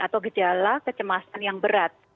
atau gejala kecemasan yang berat